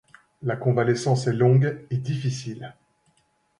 La convalescence est longue et difficile.